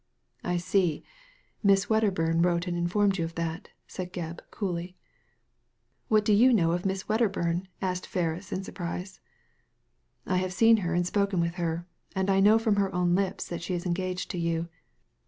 '^I see. Miss Wedderbum wrote and informed you of that," said Gebb, coolly. What do you know of Miss Wedderbum ?" asked Ferris, in surprise. ''I have seen her and spoken with her; and I know from her own lips that she is engaged to you.